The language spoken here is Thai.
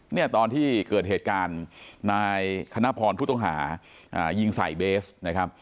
เนี่ยตอนที่เกิดเหตุการณ์นายคณะพรผู้ต้องหายิงใส่เบสนะครับ